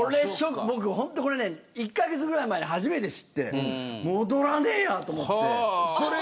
僕、１カ月ぐらい前に初めて知って戻らねえやと思って。